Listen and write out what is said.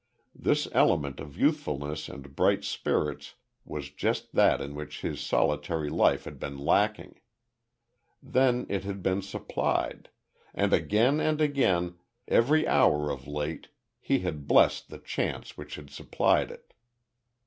This element of youthfulness and bright spirits was just that in which his solitary life had been lacking. Then it had been supplied; and again and again, every hour of late he had blessed the chance which had supplied it.